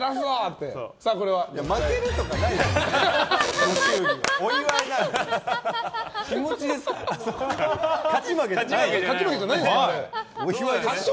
負けるとかないでしょ。